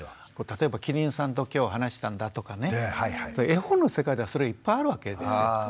例えば「キリンさんと今日話したんだ」とかね絵本の世界ではそれいっぱいあるわけですよ。